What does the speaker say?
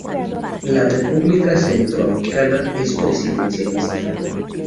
La República Centroafricana es presidencialista.